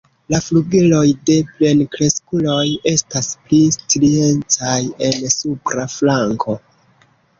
La flugiloj de plenkreskuloj estas pli striecaj en supra flanko.